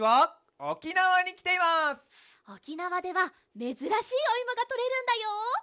おきなわではめずらしいおいもがとれるんだよ！